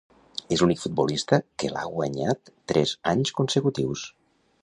És l'únic futbolista que l'ha guanyat tres anys consecutius.